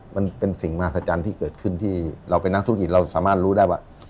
มันเป็นสิ่งมหัศจรรย์ที่เกิดขึ้นที่เราเป็นนักธุรกิจเราสามารถรู้ได้ว่า